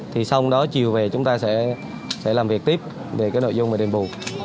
thì sau đó chiều về chúng ta sẽ làm việc tiếp về cái nội dung về đền bù